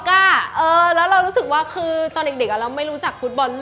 แล้วเรารู้สึกว่าคือตอนเด็กเราไม่รู้จักฟุตบอล